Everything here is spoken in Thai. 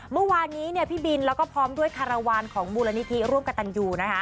เมื่อวานนี้พี่บินแล้วก็พร้อมด้วยคารวาลของมูลนิธิร่วมกับตันยูนะคะ